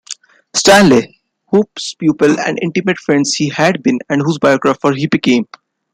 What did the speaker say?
Stanley, whose pupil and intimate friend he had been, and whose biographer he became.